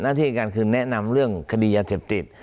ที่การคือแนะนำเรื่องคดียาเสพติด